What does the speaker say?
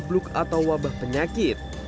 gebluk atau wabah penyakit